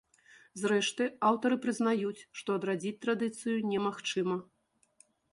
Зрэшты, аўтары прызнаюць, што адрадзіць традыцыю немагчыма.